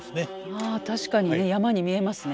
あ確かに山に見えますね。